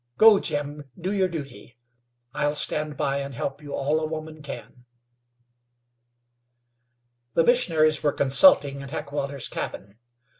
"Go, Jim, do you duty; I'll stand by and help you all a woman can." The missionaries were consulting in Heckewelder's cabin.